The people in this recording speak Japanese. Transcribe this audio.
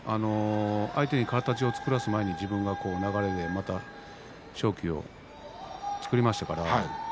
相手に形を作らせる前に自分の流れで勝機を作りましたから。